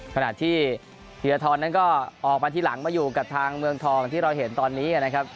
ขณะที่ธีรทรนั้นก็ออกมาทีหลังมาอยู่กับทางเมืองทองที่เราเห็นตอนนี้นะครับ